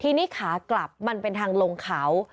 ทีนี้ขากลับมันเป็นทางลงเขา